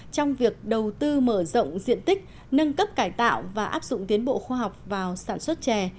trong việc đầu tư mở rộng diện tích nâng cấp cải tạo và áp dụng tiến bộ khoa học vào sản xuất chè